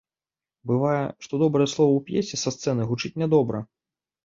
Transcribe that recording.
Бывае, што добрае слова ў п'есе са сцэны гучыць нядобра.